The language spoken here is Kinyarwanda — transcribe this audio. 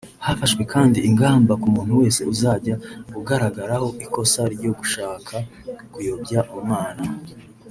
Hafashwe kandi igamba ku muntu wese uzajya ugaragaraho ikosa ryo gushaka kuyobya umwana